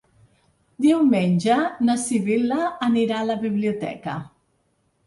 Diumenge na Sibil·la anirà a la biblioteca.